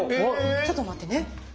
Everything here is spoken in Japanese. ちょっと待ってね。